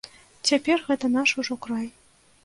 Цяпер гэта наш ужо край.